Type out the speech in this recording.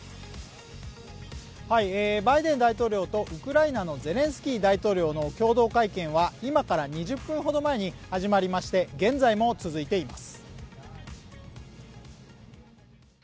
バイデン大統領とウクライナのゼレンスキー大統領の共同会見は今から２０分ほど前に始まりまして、現在も続いています。